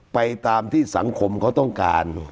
ไปตามที่สังคมเขาต้องการ